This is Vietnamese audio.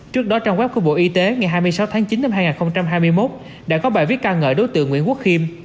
trước đó trang web của bộ y tế ngày hai mươi sáu tháng chín năm hai nghìn hai mươi một đã có bài viết ca ngợi đối tượng nguyễn quốc khiêm